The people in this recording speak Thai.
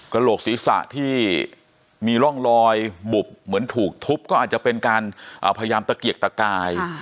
โหลกศีรษะที่มีร่องรอยบุบเหมือนถูกทุบก็อาจจะเป็นการพยายามตะเกียกตะกาย